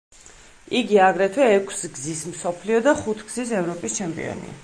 იგი აგრეთვე ექვსგზის მსოფლიო და ხუთგზის ევროპის ჩემპიონია.